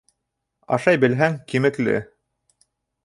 Ашай белһәң, кимекле.